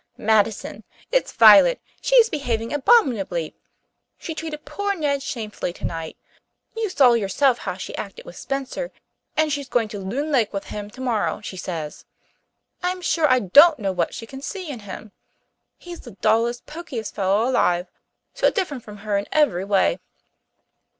"Madison! It's Violet. She is behaving abominably. She treated poor Ned shamefully tonight. You saw yourself how she acted with Spencer, and she's going to Loon Lake with him tomorrow, she says. I'm sure I don't know what she can see in him. He's the dullest, pokiest fellow alive so different from her in every way."